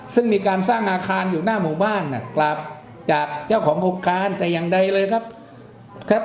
ซึ่งมีการสร้างอาคารอยู่หน้าหมู่บ้านกลับจากเจ้าของโครงการแต่อย่างใดเลยครับ